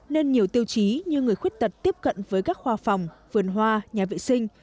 nên nhiều tiêu chí như người khuyết tật tiếp cận với các khoa phòng vườn hoa nhà vệ sinh